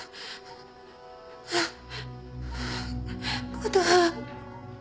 琴葉。